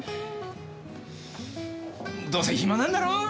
どうせ暇なんだろ？